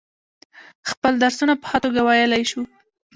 خپل درسونه په ښه توگه ویلای شو.